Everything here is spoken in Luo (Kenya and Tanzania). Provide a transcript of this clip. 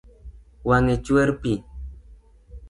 Wang’e chwer pi